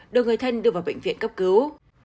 đưa người thân đưa vào bệnh viện cấp cứu